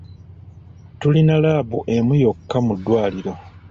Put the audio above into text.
Tulina laabu emu yokka mu ddwaliro.